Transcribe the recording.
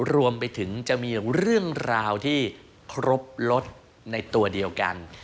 รวมไปถึงจะมีเรื่องราวที่ครบลดในตัวเดียวกัน